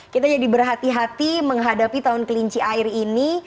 kita jadi berhati hati menghadapi tahun kelinci air ini